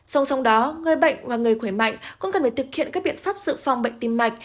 sông sông đó người bệnh và người khỏe mạnh cũng cần phải thực hiện các biện pháp sự phòng bệnh tim mạch